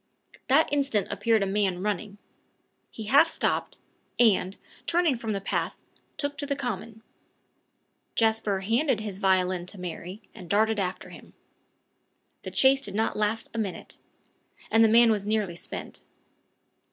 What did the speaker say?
That instant appeared a man running. He half stopped, and, turning from the path, took to the common. Jasper handed his violin to Mary, and darted after him. The chase did not last a minute; the man was nearly spent.